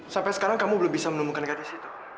sampai sekarang kamu belum bisa menemukan gadis itu